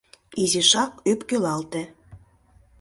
Изишак ӧпкелалте.